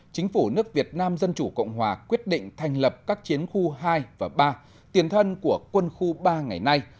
chính phủ nước việt nam dân chủ cộng hòa quyết định thành lập các chiến khu hai và ba tiền thân của quân khu ba ngày nay